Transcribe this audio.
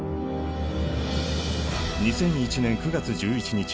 ２００１年９月１１日